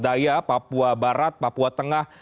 daya papua barat papua tengah